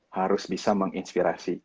harus bisa menginspirasi